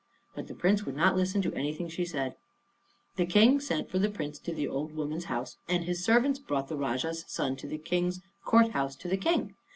But the Prince would not listen to anything she said. The King sent for the Prince to the old woman's house, and his servants brought the Rajah's son to the King's court house to the King.